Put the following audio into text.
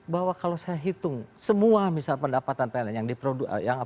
bahwa kalau saya hitung semua misal pendapatan pln yang diproduksi